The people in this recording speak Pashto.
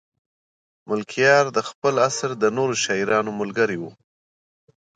ملکیار د خپل عصر د نورو شاعرانو ملګری و.